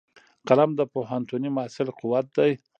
قلم د پوهنتوني محصل قوت دی